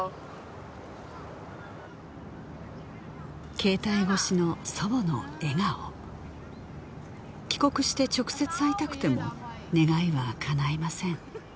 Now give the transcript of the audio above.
携帯越しの祖母の笑顔帰国して直接会いたくても願いはかないません